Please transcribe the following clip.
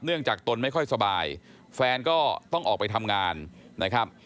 จากตนไม่ค่อยสบายแฟนก็ต้องออกไปทำงานนะครับ